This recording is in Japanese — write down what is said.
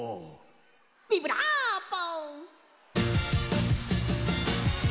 ビブラーボ！